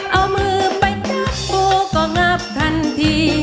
เอามือไปปั๊บกูก็งับทันที